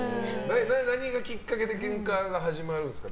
何がきっかけでケンカが始まるんですか？